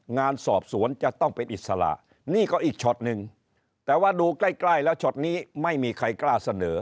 งานสอบสวนจะต้องเป็นอิสระนี่ก็อีกช็อตหนึ่งแต่ว่าดูใกล้ใกล้แล้วช็อตนี้ไม่มีใครกล้าเสนอ